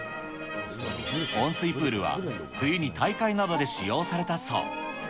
温水プールは冬に大会などで使用されたそう。